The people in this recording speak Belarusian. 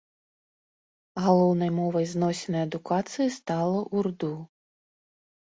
Галоўнай мовай зносін і адукацыі стала ўрду.